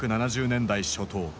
１９７０年代初頭。